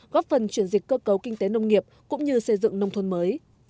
góp phần chuyển dịch cơ cấu kinh tế nông nghiệp cũng như xây dựng nông thôn mới